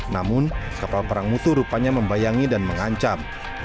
namun kapal perang mutu rupanya membayangi dan mengancam